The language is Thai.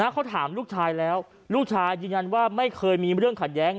เขาถามลูกชายแล้วลูกชายยืนยันว่าไม่เคยมีเรื่องขัดแย้ง